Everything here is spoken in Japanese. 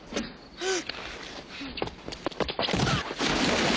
あっ！